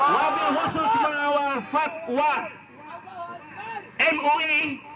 wabah khusus mengawal fatwa mui